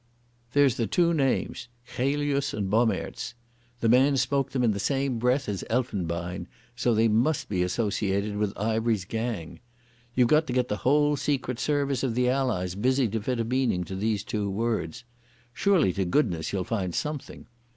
"There's the two names Chelius and Bommaerts. The man spoke them in the same breath as Elfenbein, so they must be associated with Ivery's gang. You've got to get the whole Secret Service of the Allies busy to fit a meaning to these two words. Surely to goodness you'll find something!